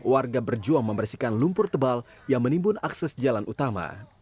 warga berjuang membersihkan lumpur tebal yang menimbun akses jalan utama